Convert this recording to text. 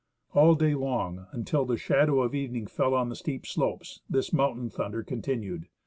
All day long, until the shadow of evening fell on the steep slopes, this mountain thunder continued.